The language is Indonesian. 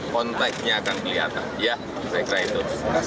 konteksnya akan kelihatan ya saya kira itu